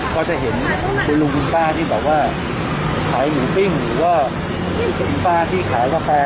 ก็จะเห็นคุณลุงคุณป้าที่แบบว่าขายหมูปิ้งหรือว่าคุณป้าที่ขายกาแฟ